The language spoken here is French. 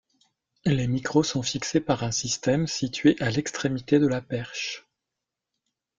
Les micros sont fixés par un système situé à l'extrémité de la perche.